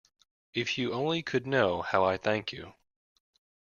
If you only could know how I thank you.